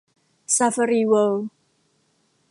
ซาฟารีเวิลด์